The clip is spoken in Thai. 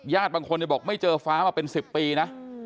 บางคนบอกไม่เจอฟ้ามาเป็น๑๐ปีนะ